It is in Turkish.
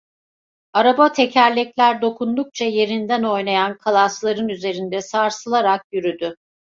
Araba, tekerlekler dokundukça yerinden oynayan kalasların üzerinde sarsılarak yürüdü.